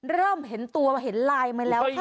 เริ่มเห็นตัวเห็นไลน์มาแล้วค่ะ